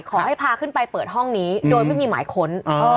ขอให้พาขึ้นไปเปิดห้องนี้โดยไม่มีหมายค้น